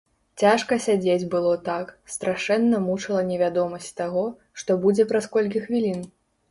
Цяжка сядзець было так, страшэнна мучыла невядомасць таго, што будзе праз колькі хвілін.